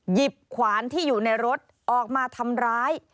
หยิบขวานที่อยู่ในรถออกมาทำร้าย